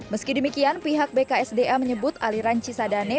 meski demikian pihak bksd a menyebut aliran cisadane